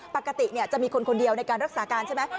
ปกติจะมีคนคนเดียวในการรักษาการใช่ไหม